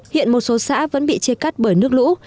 hiện một số xã vẫn bị chia cắt bởi nước lũ